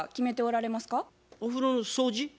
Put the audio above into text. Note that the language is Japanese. お風呂の掃除。